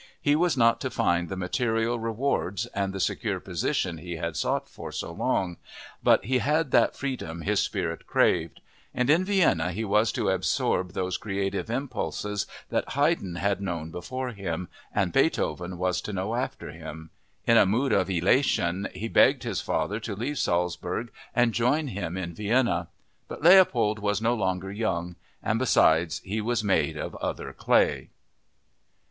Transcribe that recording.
He was not to find the material rewards and the secure position he had sought for so long, but he had that freedom his spirit craved. And in Vienna he was to absorb those creative impulses that Haydn had known before him and Beethoven was to know after him. In a mood of elation he begged his father to leave Salzburg and join him in Vienna. But Leopold was no longer young and, besides, he was made of other clay.